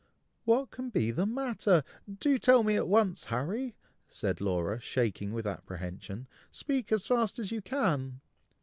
"What can be the matter! do tell me at once, Harry," said Laura, shaking with apprehension. "Speak as fast as you can!"